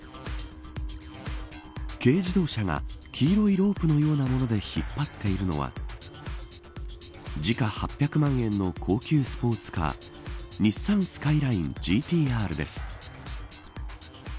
軽自動車が黄色いロープのようなもので引っ張っているのは時価８００万円の高級スポーツカー日産スカイラインＧＴ‐Ｒです。